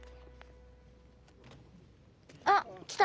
あっきた。